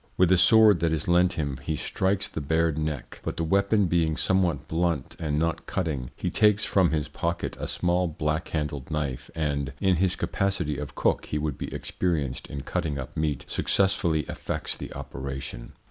With a sword that is lent him he strikes the bared neck, but the weapon being somewhat blunt and not cutting, he takes from his pocket a small black handled knife and (in his capacity of cook he would be experienced in cutting up meat) successfully effects the operation."